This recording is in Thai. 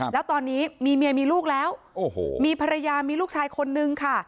แล้วตอนนี้มีเมียมีลูกแล้วมีภรรยามีลูกชายคนนึงค่ะ